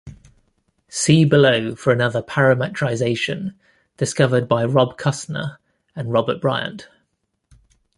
See below for another parametrization, discovered by Rob Kusner and Robert Bryant.